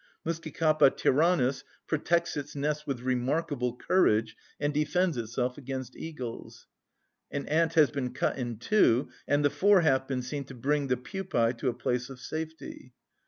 Muscicapa tyrannus protects its nest with remarkable courage, and defends itself against eagles. An ant has been cut in two, and the fore half been seen to bring the pupæ to a place of safety.